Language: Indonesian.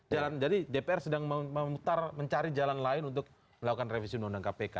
jadi dpr sedang memutar mencari jalan lain untuk melakukan revisi undang undang kpk